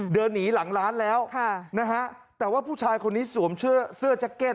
เดินหนีหลังร้านแล้วแต่ว่าผู้ชายคนนี้สวมเสื้อแจ็คเก็ต